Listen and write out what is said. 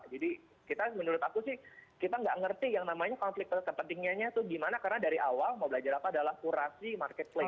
jadi kita menurut aku sih kita nggak ngerti yang namanya konflik terpentingnya itu gimana karena dari awal mau belajar apa adalah kurasi market place